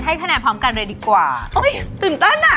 คะแนนพร้อมกันเลยดีกว่าโอ้ยตื่นเต้นอ่ะ